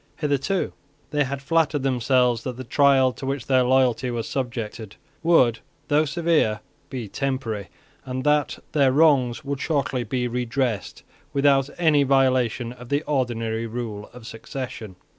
Hitherto they had flattered themselves that the trial to which their loyalty was subjected would, though severe, be temporary, and that their wrongs would shortly be redressed without any violation of the ordinary rule of succession.